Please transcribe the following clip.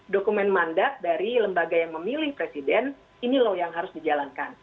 dokumen mandat dari lembaga yang memilih presiden ini loh yang harus dijalankan